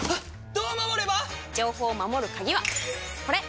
どう守れば⁉情報を守る鍵はこれ！